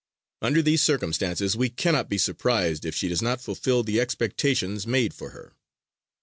Under these circumstances we cannot be surprised if she does not fulfill the expectations made for her.